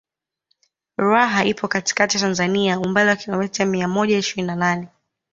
Ruaha ipo katikati ya Tanzania umbali wa kilomita mia moja ishirini na nane